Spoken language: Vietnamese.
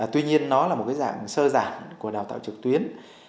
tuy nhiên nó là một cái dạng sơ giản của đào tạo trực tuyến